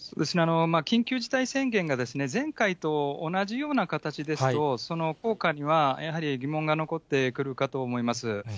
緊急事態宣言が前回と同じような形ですと、その効果にはやはり疑問が残ってくるかと思います。